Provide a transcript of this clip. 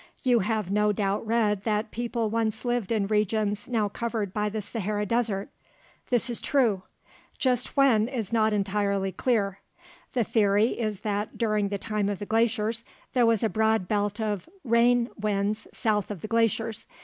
You have no doubt read that people once lived in regions now covered by the Sahara Desert. This is true; just when is not entirely clear. The theory is that during the time of the glaciers, there was a broad belt of rain winds south of the glaciers.